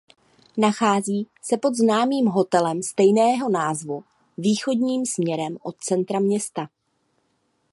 Nachází se pod známým hotelem stejného názvu východním směrem od centra města.